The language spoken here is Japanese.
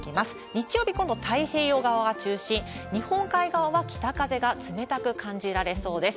日曜日、今度、太平洋側が中心、日本海側は北風が冷たく感じられそうです。